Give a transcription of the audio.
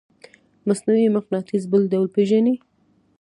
مصنوعي مقناطیس بل ډول پیژنئ؟